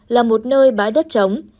là một nơi bãi đất rộng